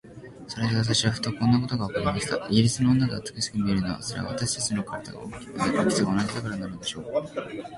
それで私はふと、こんなことがわかりました。イギリスの女が美しく見えるのは、それは私たちと身体の大きさが同じだからなのでしょう。